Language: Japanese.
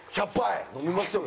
飲みましょう。